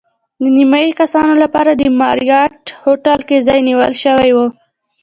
د نیمایي کسانو لپاره د ماریاټ هوټل کې ځای نیول شوی و.